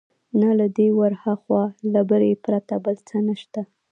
نه له دې ورهاخوا، له بري پرته بل څه نشته.